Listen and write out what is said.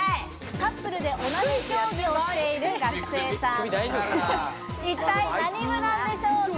カップルで同じ競技をしている学生さん、一体何部なんでしょうか？